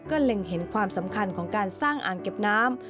เล็งเห็นความสำคัญของการสร้างอ่างเก็บน้ำ